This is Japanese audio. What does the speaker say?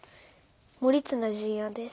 『盛綱陣屋』です。